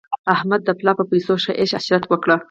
احمد د پلا په پیسو ښه عش عشرت وکړ.